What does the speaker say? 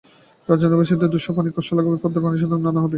রাজধানীবাসীর দুঃসহ পানির কষ্ট লাঘবে পদ্মার পানি শোধন করে আনা হবে।